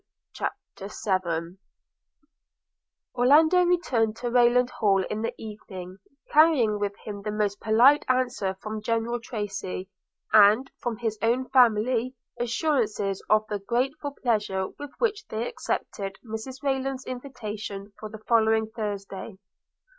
CHAPTER VII ORLANDO returned to Rayland Hall in the evening, carrying with him the most polite answer from General Tracy; and, from his own family, assurances of the grateful pleasure with which they accepted Mrs Rayland's invitation for the following Thursday.